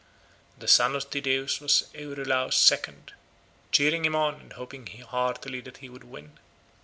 The son of Tydeus was Euryalus's second, cheering him on and hoping heartily that he would win.